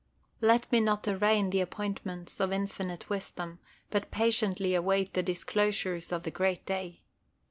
Let me not arraign the appointments of Infinite wisdom, but patiently await the disclosures of the great day.